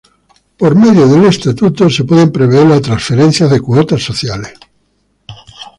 Por medio del estatuto se puede prever la transferencia de cuotas sociales.